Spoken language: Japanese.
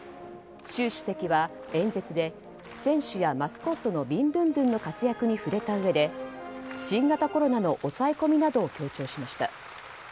習主席は演説で選手やマスコットのビンドゥンドゥンの活躍に触れたうえで新型コロナの抑え込みなどを強調しました。